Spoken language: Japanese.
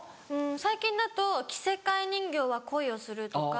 最近だと『着せ替え人形は恋をする』とか。